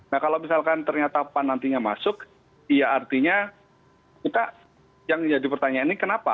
nah kalau misalkan ternyata pan nantinya masuk ya artinya kita yang jadi pertanyaan ini kenapa